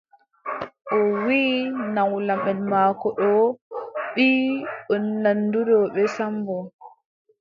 O wiʼi nawlamʼen maako ɗon mbiʼi o nanduɗo bee Sammbo.